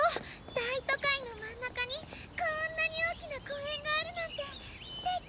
大都会の真ん中にこんなに大きな公園があるなんてすてき！